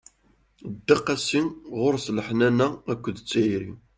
Dda qasi, ɣur-s leḥnana akked tayri.